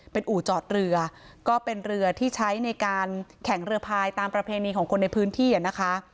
เป็นอู่จอดเรือก็เป็นเรือที่ใช้ในการแข่งเรือพายตามประเพณีของคนในพื้นที่อ่ะนะคะ